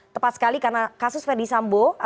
tepat sekali karena kasus verdi sambo